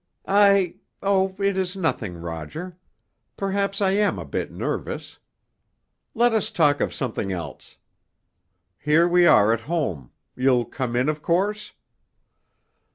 "I—oh, it is nothing, Roger! Perhaps I am a bit nervous. Let us talk of something else. Here we are at home. You'll come in, of course?"